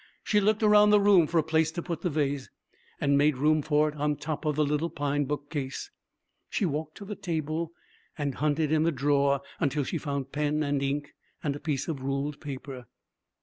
She looked around the room for a place to put the vase, and made room for it on top of the little pine book case. She walked to the table and hunted in the drawer until she found pen and ink and a piece of ruled paper.